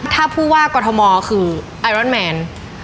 ถ้าผู้ว่ากรทมคือไอรอนแมน